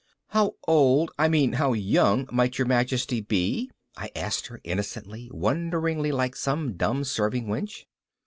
"How old, I mean how young might your majesty be?" I asked her, innocently wonderingly like some dumb serving wench.